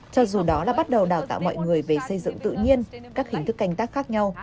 cho dù đó là bắt đầu đào tạo mọi người về xây dựng tự nhiên các hình thức canh tác khác nhau